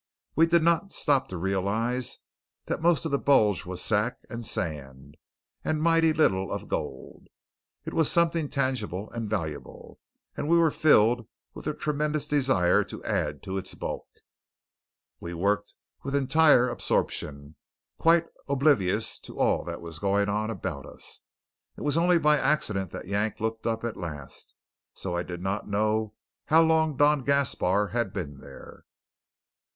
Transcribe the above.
We did not stop to realize that most of the bulge was sack and sand, and mighty little of it gold. It was something tangible and valuable; and we were filled with a tremendous desire to add to its bulk. We worked with entire absorption, quite oblivious to all that was going on about us. It was only by accident that Yank looked up at last, so I do not know how long Don Gaspar had been there.